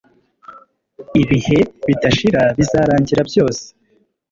Ibihe bidashira bizarangira byose